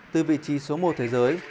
từ vị trí số một thế giới